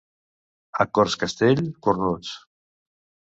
A Cortscastell, cornuts.